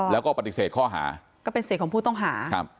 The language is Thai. แล้วก็ปฏิเสธข้อหาก็เป็นเสร็จของผู้ต้องหา